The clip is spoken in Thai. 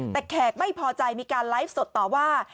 แต่แขกไม่พอใจมีการไลฟ์สดต่อว่า